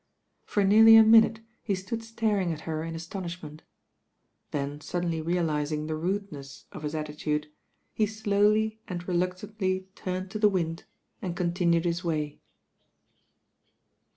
For nearly a minute he stood staring at her in astonishment. Then suddenly reaKsing the rude THE ROAD TO NOWHERE $5 ntu of hit attitude, he slowly and reluctantly turned to the wind and continued his way.